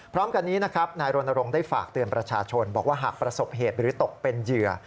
พร้อมกันนี้นะครับนายรณรงค์ได้ฝากเตือนประชาชนบอกว่าหากประสบเหตุหรือตกเป็นเหยื่อ